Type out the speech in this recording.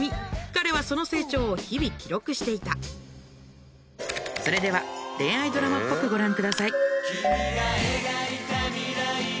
彼はその成長を日々記録していたそれでは恋愛ドラマっぽくご覧ください